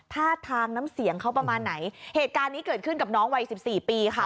ท่าทางน้ำเสียงเขาประมาณไหนเหตุการณ์นี้เกิดขึ้นกับน้องวัยสิบสี่ปีค่ะ